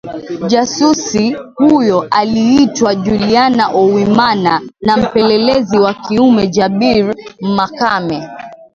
jasusi huyo aliitwa Juliana Owimana na mpelelezi wa kiume Jabir Makame